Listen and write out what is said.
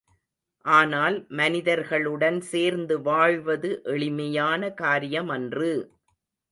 ஆனால், மனிதர்களுடன் சேர்ந்து வாழ்வது எளிமையான காரியமன்று!